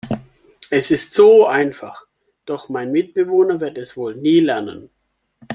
Es ist so einfach, doch mein Mitbewohner wird es wohl nie lernen.